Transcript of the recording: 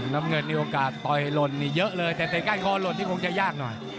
นับเงินมีโอกาสต่อยลนเยอะเลยแต่ใกล้ข้อลดที่คงจะยากหน่อย